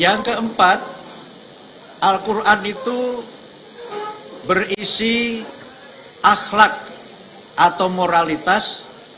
yang keempat al quran itu berisi akhlak atau moralitas